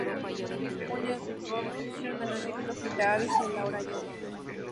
June Cochran ganó el título frente a Avis y a Laura Young.